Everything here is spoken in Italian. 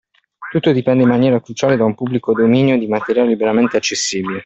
Tutto dipende in maniera cruciale da un pubblico dominio di materiale liberamente accessibile.